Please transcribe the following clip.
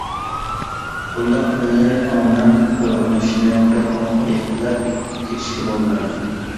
بۇنداق مىللىي ئاڭنىڭ ئويغىنىشىنى بەكمۇ ئەيىبلەپ كېتىشكە بولمايدۇ.